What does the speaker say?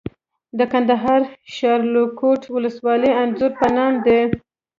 د کندهار شاولیکوټ ولسوالۍ انځر په نام دي.